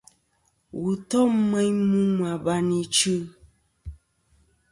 Wù tom meyn mu mɨ abayn ichɨ.